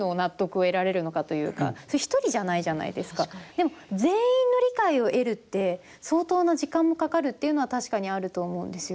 でも、全員の理解を得るって相当な時間もかかるっていうのは確かにあると思うんですよ。